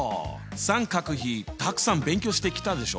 三角比たくさん勉強してきたでしょ。